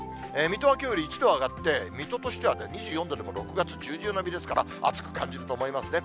水戸はきょうより１度上がって、水戸としては２４度でも６月中旬並みですから、暑く感じると思いますね。